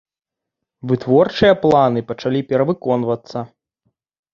Вытворчыя планы пачалі перавыконвацца.